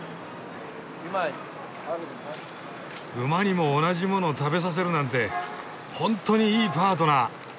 馬にも同じもの食べさせるなんて本当にいいパートナー！